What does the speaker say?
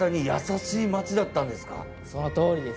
そのとおりです。